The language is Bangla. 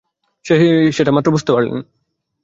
সেটা মাত্র বুঝতে পারলে?